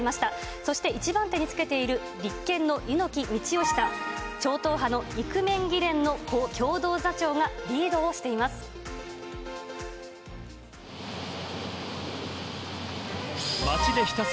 そして１番手につけている立憲の柚木道義さん、超党派のイクメン議連の共同座長がリードをしています。